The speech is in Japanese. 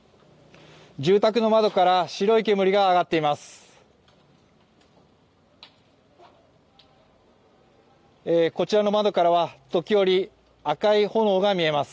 住宅の窓から白い煙が上がっています。